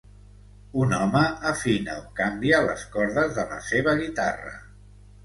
Un home afina o canvia les cordes de la seva guitarra.